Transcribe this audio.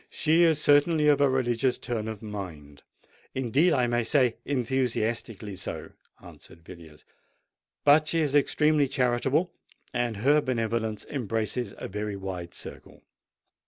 "She is certainly of a religious turn of mind—indeed, I may say, enthusiastically so," answered Villiers. "But she is extremely charitable—and her benevolence embraces a very wide circle."